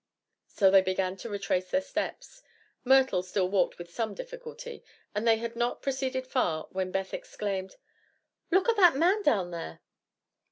So they began to retrace their steps. Myrtle still walked with some difficulty, and they had not proceeded far when Beth exclaimed: "Look at that man down there!"